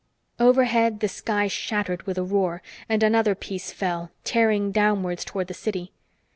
Overhead, the sky shattered with a roar, and another piece fell, tearing downwards toward the city.